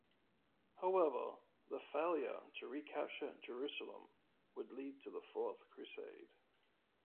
However, the failure to recapture Jerusalem would lead to the Fourth Crusade.